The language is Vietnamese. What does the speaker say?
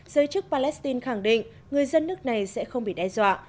giới chức palestine khẳng định người dân nước này sẽ không bị đe dọa